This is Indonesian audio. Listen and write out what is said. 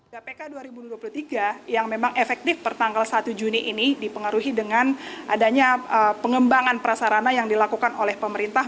gpk dua ribu dua puluh tiga yang memang efektif pertanggal satu juni ini dipengaruhi dengan adanya pengembangan prasarana yang dilakukan oleh pemerintah